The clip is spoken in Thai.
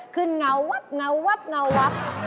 เงาวับเงาวับเงาวับ